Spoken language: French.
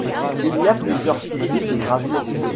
Il y a plusieurs sous-types des gravures.